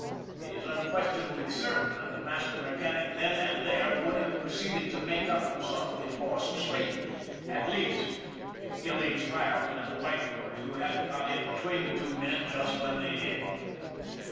It is unquestionably certain that the master mechanic then and there would have proceeded to make up for some of his lost sleep, at least, if Gilleen's fireman and a wiper or two hadn't got in between the two men just when they did.